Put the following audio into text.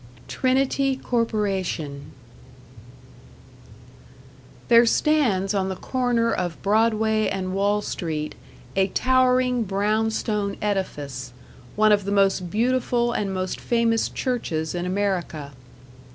#Trinity Corporation# There stands on the corner of Broadway and Wall Street a towering brown stone edifice, one of the most beautiful and most famous churches in America.